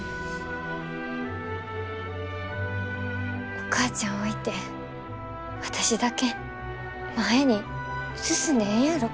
お母ちゃん置いて私だけ前に進んでええんやろか。